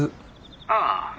☎ああ。